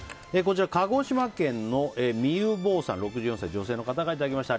鹿児島県の６４歳、女性の方からいただきました。